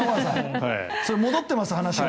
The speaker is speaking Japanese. それ戻っています話が。